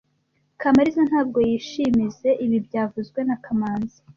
Kamaliza ntabwo yishimizoe ibi byavuzwe na kamanzi